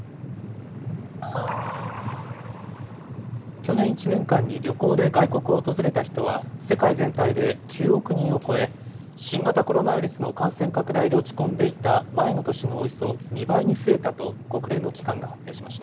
去年１年間に旅行で外国を訪れた人は、世界全体で９億人を超え、新型コロナウイルスの感染拡大で落ち込んでいた前の年のおよそ２倍に増えたと、国連の機関が発表しました。